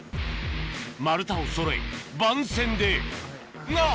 丸太をそろえ番線でが！